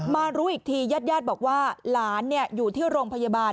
รู้อีกทีญาติบอกว่าหลานอยู่ที่โรงพยาบาล